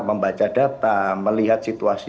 membaca data melihat situasi